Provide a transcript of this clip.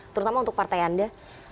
terutama untuk partai anda